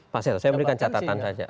pak sel saya memberikan catatan saja